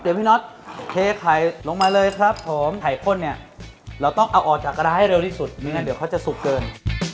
เดี๋ยวพี่น็อตเทไข่ลงมาเลยครับผมไข่ข้นเนี่ยเราต้องเอาออกจากกระให้เร็วที่สุดไม่งั้นเดี๋ยวเขาจะสุกเกิน